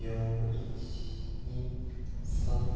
１２３。